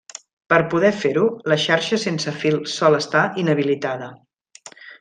Per poder fer-ho, la xarxa sense fil sol estar inhabilitada.